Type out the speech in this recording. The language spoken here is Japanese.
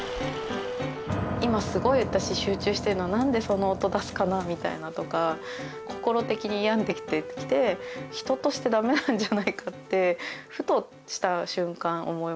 今すごい私集中してるのに何でその音出すかなみたいなのとか心的に病んできてて人として駄目なんじゃないかってふとした瞬間思いましたね。